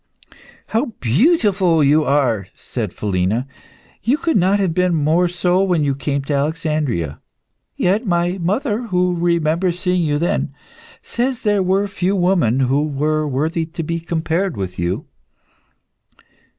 "How beautiful you are!" said Philina. "You could not have been more so when you came to Alexandria. Yet my mother, who remembers seeing you then, says there were few women who were worthy to be compared with you."